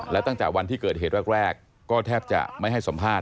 และตั้งแต่วันที่เกิดเหตุแรกก็แทบจะไม่ให้สัมภาษณ